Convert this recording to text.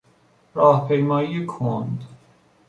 راهپیمایی کند